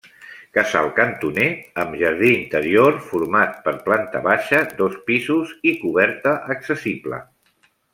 Casal cantoner, amb jardí interior, format per planta baixa, dos pisos i coberta accessible.